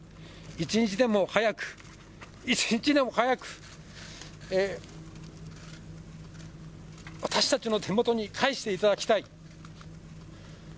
一日でも早く、一日でも早く、私たちの手元に返していただきたい。